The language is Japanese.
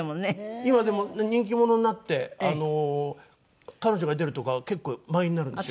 今でも人気者になって彼女が出るとこは結構満員になるんですよ。